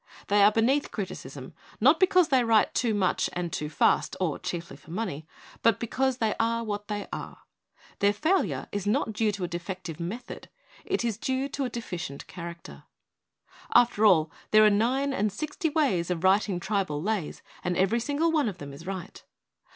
They are beneath criticism, not because they write too much and too fast or chiefly for money, but because they are what they are. Their failure is not due to a defective method; it is due to a deficient character. After all, there are nine and sixty ways of writing tribal lays and every single one of them is right.